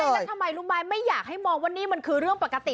แล้วทำไมรู้ไหมไม่อยากให้มองว่านี่มันคือเรื่องปกติ